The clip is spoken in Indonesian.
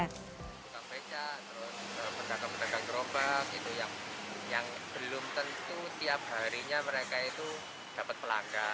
tukang becak terus pedagang pedagang kerobak gitu yang belum tentu tiap harinya mereka itu dapat pelanggan